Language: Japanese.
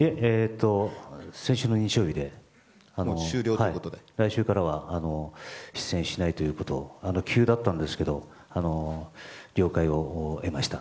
先週の日曜日に来週からは出演しないということを急だったんですけど了解を得ました。